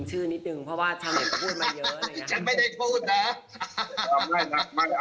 ชื่อนิดหนึ่งเพราะว่าชาวนี้พูดมาเยอะ